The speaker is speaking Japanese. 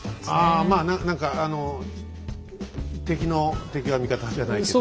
あまあ何かあの敵の敵は味方じゃないけど。